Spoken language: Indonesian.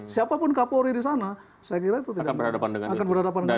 siapapun kapolri di sana saya kira itu tidak akan berhadapan dengan